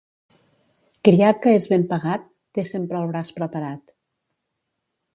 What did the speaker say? Criat que és ben pagat té sempre el braç preparat.